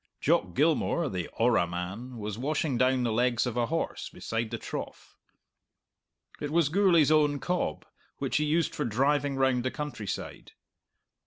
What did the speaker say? Jock Gilmour, the "orra" man, was washing down the legs of a horse beside the trough. It was Gourlay's own cob, which he used for driving round the countryside.